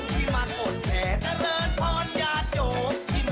สวัสดี